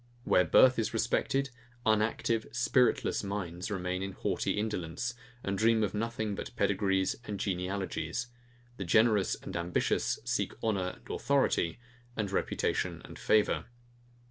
Where birth is respected, unactive, spiritless minds remain in haughty indolence, and dream of nothing but pedigrees and genealogies: the generous and ambitious seek honour and authority, and reputation and favour.